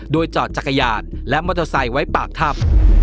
โดยจอดจักรยานและมอเตอร์ไซค์ไว้ปากถ้ำ